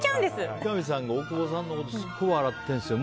三上さんが大久保さんのことすごい笑ってるんですよ。